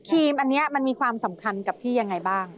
ครีมอันนี้มันมีความสำคัญกับพี่ยังไงบ้าง